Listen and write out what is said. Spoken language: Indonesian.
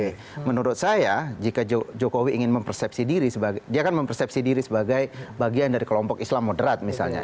tapi menurut saya jika jokowi ingin mempersepsi diri dia akan mempersepsi diri sebagai bagian dari kelompok islam moderat misalnya